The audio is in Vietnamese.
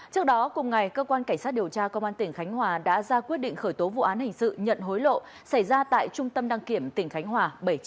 trước đó cùng ngày cơ quan cảnh sát điều tra công an tỉnh khánh hòa đã ra quyết định khởi tố vụ án hình sự nhận hối lộ xảy ra tại trung tâm đăng kiểm tỉnh khánh hòa bảy trăm chín mươi tám